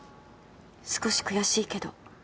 少し悔しいけど。